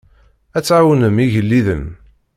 Ad tɛawnem igellilen.